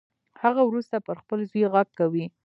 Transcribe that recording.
هغه وروسته پر خپل زوی غږ کوي